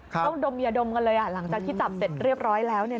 ต้องดมยาดมกันเลยหลังจากที่จับเสร็จเรียบร้อยแล้ว